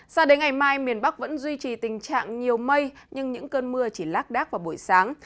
sao đến ngày mai miền bắc vẫn duy trì tình trạng nhiều mây nhưng những cơn mưa chỉ lác đác vào buổi sáng